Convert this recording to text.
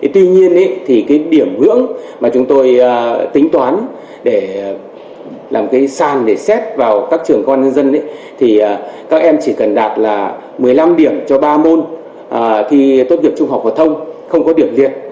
tuy nhiên thì cái điểm ngưỡng mà chúng tôi tính toán để làm cái sàn để xét vào các trường công an nhân dân thì các em chỉ cần đạt là một mươi năm điểm cho ba môn thi tốt nghiệp trung học phổ thông không có điểm việt